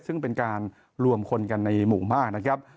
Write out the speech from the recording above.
ซึ่งเป็นการรวมคนกันในหมู่มากนะครับ